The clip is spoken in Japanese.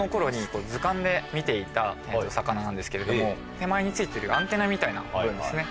で見ていた魚なんですけれども手前についてるアンテナみたいな部分ですね。